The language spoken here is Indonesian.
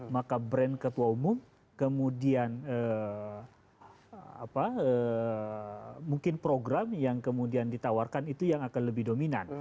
maka brand ketua umum kemudian mungkin program yang kemudian ditawarkan itu yang akan lebih dominan